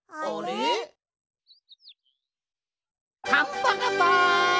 パンパカパン！